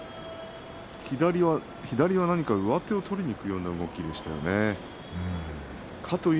左は何か上手を取りにいくような動きでしたね。